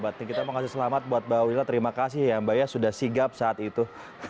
kita mau kasih selamat buat mbak willa terima kasih ya mbak ya sudah sigap saat itu